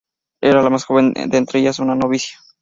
Era la más joven de entre ellas, una novicia.